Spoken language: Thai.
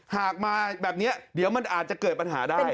หากมาแบบนี้เดี๋ยวมันอาจจะเกิดปัญหาได้